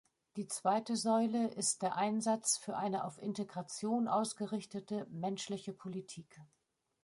Die zweite Säule ist der Einsatz für eine auf Integration ausgerichtete, menschliche Politik.